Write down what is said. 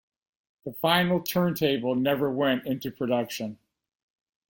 The Finial turntable never went into production.